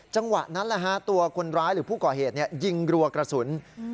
จังหวะนั้นตัวคนร้ายหรือผู้ก่อเหตุยิงรัวกระสุน